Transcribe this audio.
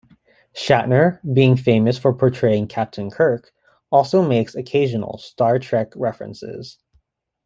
Shatner, being famous for portraying Captain Kirk, also makes occasional "Star Trek" references.